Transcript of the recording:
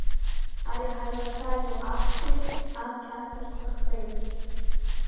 Ари ҳазлацәажәо аԥсшәагьы амч асҭар сҭаххеит…